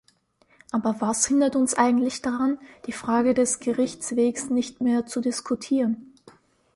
Aber was hindert uns eigentlich daran, die Frage des Gerichtsweges nicht mehr zu diskutieren?